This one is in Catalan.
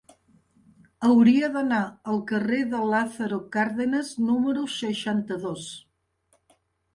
Hauria d'anar al carrer de Lázaro Cárdenas número seixanta-dos.